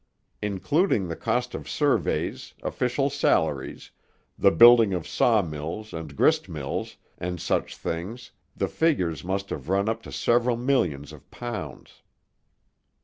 Including the cost of surveys, official salaries, the building of saw mills and grist mills, and such things, the figures must have run up to several millions of pounds.